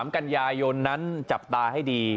๓กันยายนนั้นจับตาให้ดี